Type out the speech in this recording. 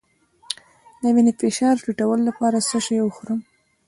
د وینې فشار ټیټولو لپاره څه شی وخورم؟